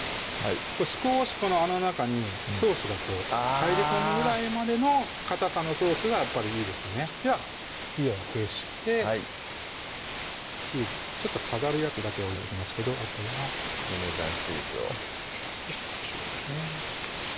少しこの穴の中にソースが入り込むぐらいまでのかたさのソースがいいですよねでは火を消してチーズちょっと飾るやつだけ置いときますけどあとはパルメザンチーズを少しこしょうですね